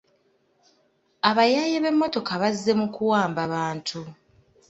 Abayaaye b'emmotoka bazze mu kuwamba bantu.